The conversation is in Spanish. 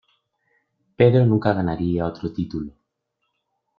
Pedro nunca ganaría otro título.